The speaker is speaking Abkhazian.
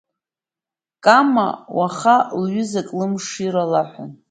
Кама уаха лҩызак лымшира лаҳәан.